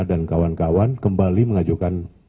dan kawan kawan kembali mengajukan